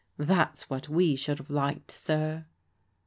That's what we should have liked, sir."